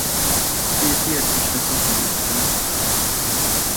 He appeared much less often after that.